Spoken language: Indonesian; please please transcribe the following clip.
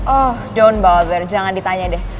oh down bother jangan ditanya deh